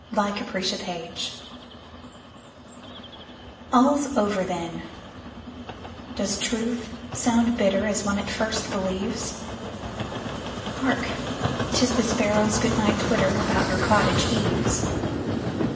The Lost Mistress ALL'S over, then: does truth sound bitterAs one at first believes? Hark, 'tis the sparrows' good night twitterAbout your cottage eaves!